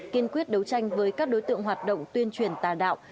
kiên quyết đấu tranh với các đối tượng hoạt động tuyên truyền tà đạo